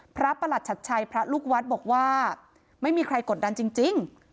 ประหลัดชัดชัยพระลูกวัดบอกว่าไม่มีใครกดดันจริง